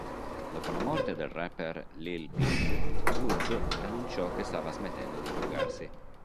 Dopo la morte del rapper Lil Peep, Woods annunciò che stava smettendo di drogarsi.